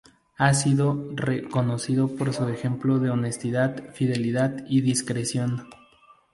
Ha sido re conocido por su ejemplo de honestidad, fidelidad y discreción.